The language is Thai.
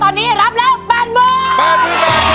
ตอนนี้รับแล้วแบบมือ